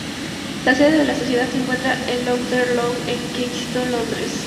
La sede de la Sociedad se encuentra en Lowther Lodge en Kensington, Londres.